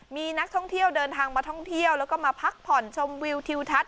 มีนักท่องเที่ยวเดินทางมาท่องเที่ยวแล้วก็มาพักผ่อนชมวิวทิวทัศ